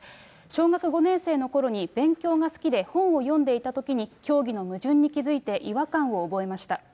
小学５年生のころに、勉強が好きで本を読んでいたときに、教義の矛盾に気付いて違和感を覚えました。